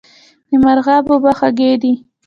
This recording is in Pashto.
د مرغاب اوبه خوږې دي